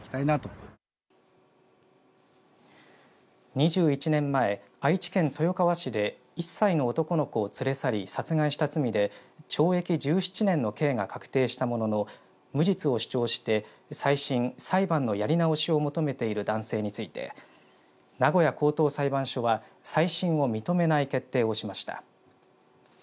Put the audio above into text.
２１年前、愛知県豊川市で１歳の男の子を連れ去り殺害した罪で懲役１７年の刑が確定したものの無実を主張して再審裁判のやり直しを求めている男性について名古屋高等裁判所は再審を認めない決定をしました。